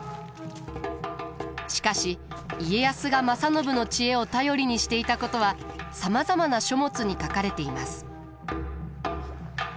しかし家康が正信の知恵を頼りにしていたことはさまざまな書物に書かれています。